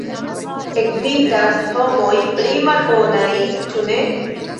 Ekzistas homoj pli malbonaj, ĉu ne?